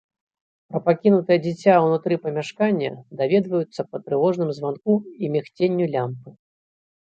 Пра пакінутае дзіця ўнутры памяшкання даведваюцца па трывожным званку і мігценню лямпы.